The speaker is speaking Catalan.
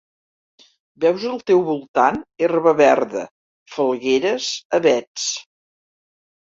Veus al teu voltant herba verda, falgueres, avets